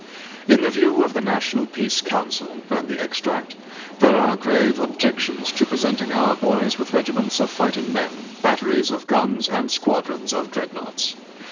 â âIn the view of the National Peace Council,â ran the extract, âthere are grave objections to presenting our boys with regiments of fighting men, batteries of guns, and squadrons of âDreadnoughts.